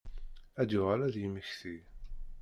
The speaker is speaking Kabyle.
Ad yuɣal ad d-yemmekti.